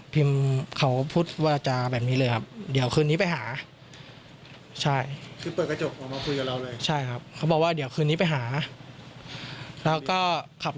พิมพ์เขาพูดว่าจะแบบนี้เลยครับเดี๋ยวคืนนี้ไปหา